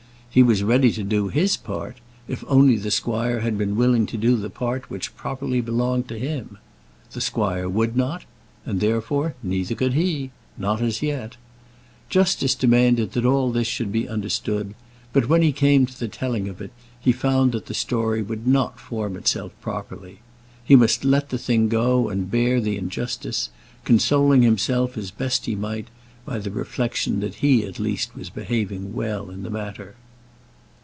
He was ready to do his part, if only the squire had been willing to do the part which properly belonged to him. The squire would not; and, therefore, neither could he, not as yet. Justice demanded that all this should be understood; but when he came to the telling of it, he found that the story would not form itself properly. He must let the thing go, and bear the injustice, consoling himself as best he might by the reflection that he at least was behaving well in the matter.